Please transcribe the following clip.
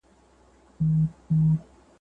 په پانګوالۍ کي د زړه سواندۍ نښې ډېرې کمې دي.